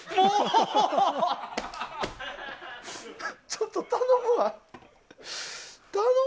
ちょっと、頼むわ。